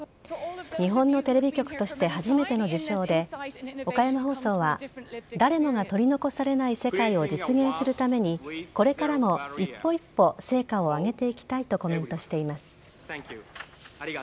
日本のテレビ局として初めての受賞で岡山放送は誰もが取り残されない世界を実現するためにこれからも一歩一歩成果を上げていきたいとコメントしています。